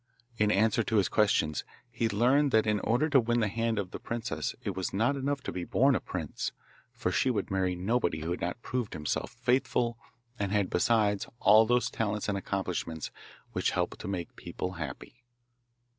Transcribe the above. In answer to his questions he learned that in order to win the hand of the princess it was not enough to be born a prince, for she would marry nobody who had not proved himself faithful, and had, besides, all those talents and accomplishments which help to make people happy.